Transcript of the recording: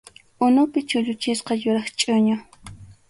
Unupi chulluchisqa yuraq chʼuñu.